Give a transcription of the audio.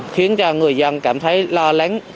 khiến cho người dân cảm thấy lo lắng